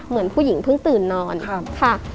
เหมือนผู้หญิงเพิ่งตื่นนอนค่ะ